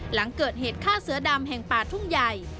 หลังเกิดเหตุฆ่าเสือดำแห่งป่าทุ่งใหญ่